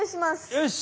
よし。